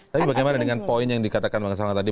tapi bagaimana dengan poin yang dikatakan bang salang tadi